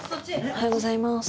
おはようございます。